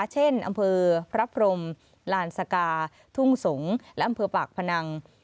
เช่นอำเภอพระพรมลานสกาทุ่งสงศ์และอำเภอปากพนัง